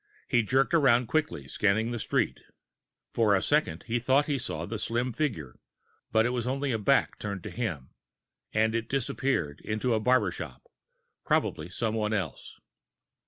He jerked around quickly, scanning the street. For a second, he thought he saw the slim figure, but it was only a back turned to him, and it disappeared into a barber shop. Probably someone else.